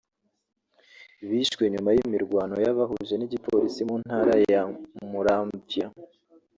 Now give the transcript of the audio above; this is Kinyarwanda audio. bishwe nyuma y’imirwano yabahuje n’igipolisi mu ntara ya Muramvya